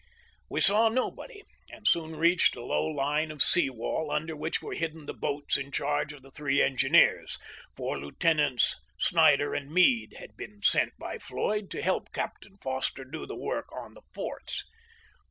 We saw nobody, and soon reached a low line of sea wall under which were hidden the boats in charge of the three engineers, for Lieutenants Snyder and Meade had been sent by Floyd to help Captain Foster do the work on the forts.